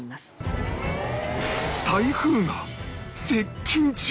台風が接近中！